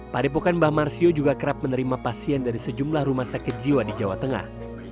padepokan mbah marsio juga kerap menerima pasien dari sejumlah rumah sakit jiwa di jawa tengah